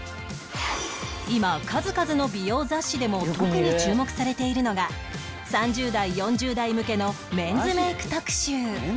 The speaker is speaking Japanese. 今数々の美容雑誌でも特に注目されているのが３０代４０代向けのメンズメイク特集